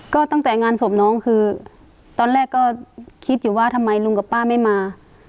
ก็ตั้งแต่งานศพน้องคือตอนแรกก็คิดอยู่ว่าทำไมลุงกับป้าไม่มา